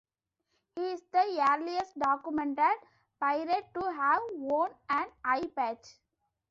He is the earliest documented pirate to have worn an eye-patch.